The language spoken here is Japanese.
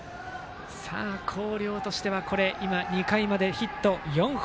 広陵としては今、２回までヒット４本。